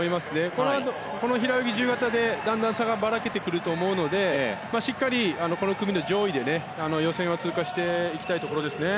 このあとの平泳ぎと自由形で順番がばらけてくると思うのでしっかりこの組の上位で予選を通過していきたいですね。